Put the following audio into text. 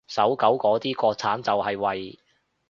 搜狗嗰啲國產就係為